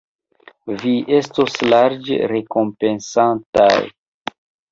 Vi estos larĝe rekompensataj.